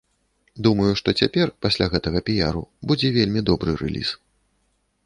Думаю, што цяпер, пасля гэтага піяру, будзе вельмі добры рэліз.